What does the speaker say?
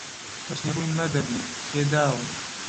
حوسنی ڕووی مەدەدی پێ داوە